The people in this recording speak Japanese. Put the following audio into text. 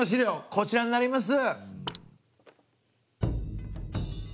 こちらになります。